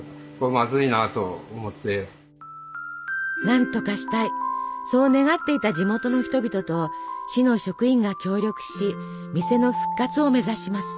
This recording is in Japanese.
何とかしたいそう願っていた地元の人々と市の職員が協力し店の復活を目指します。